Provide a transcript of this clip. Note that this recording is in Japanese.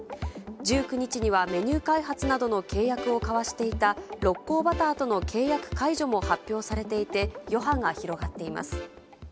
１９日には、メニュー開発などの契約を交わしていた六甲バターとの契約解除も発表されていて、余波が広がっています。